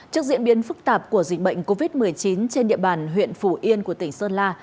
trước diễn biến phức tạp của dịch bệnh covid một mươi chín trên địa bàn huyện phủ yên của tỉnh sơn la